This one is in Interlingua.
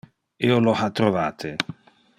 Io lo ha trovate.